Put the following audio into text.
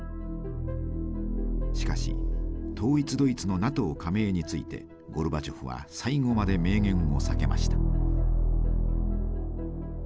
しかし統一ドイツのＮＡＴＯ加盟についてゴルバチョフは最後まで明言を避けました。